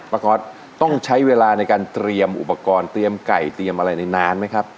ก๊อตต้องใช้เวลาในการเตรียมอุปกรณ์เตรียมไก่เตรียมอะไรในนานไหมครับ